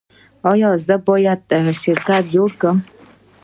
ایا زه باید شرکت جوړ کړم؟